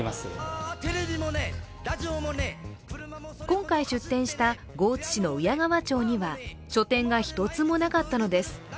今回出店した江津市の敬川町には書店が１つもなかったのです。